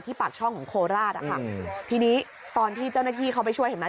ปากช่องของโคราชอะค่ะทีนี้ตอนที่เจ้าหน้าที่เขาไปช่วยเห็นไหม